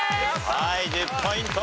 はい１０ポイント。